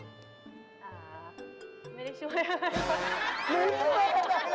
ไม่ได้ช่วยอะไร